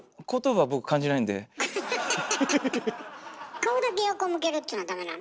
顔だけ横向けるっつうのはダメなの？